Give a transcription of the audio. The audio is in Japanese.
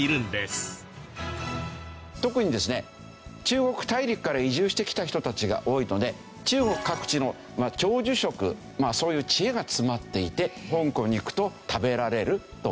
特にですね中国大陸から移住してきた人たちが多いので中国各地の長寿食そういう知恵が詰まっていて香港に行くと食べられるという事。